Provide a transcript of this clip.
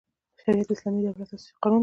شریعت د اسلامي دولت اساسي قانون دی.